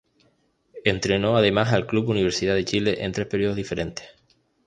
Entrenó además al club Universidad de Chile en tres períodos diferentes.